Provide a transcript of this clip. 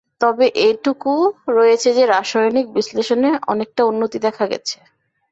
তবে এইটুকু রয়েছে যে, রাসায়নিক বিশ্লেষণে অনেকটা উন্নতি দেখা গেছে।